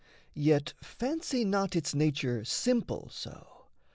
Yet fancy not its nature simple so.